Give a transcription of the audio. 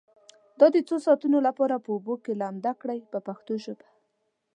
دا د څو ساعتونو لپاره په اوبو کې لامده کړئ په پښتو ژبه.